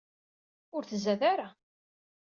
Ur tzad ara.